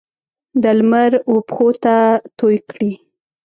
د لمر وپښوته توی کړي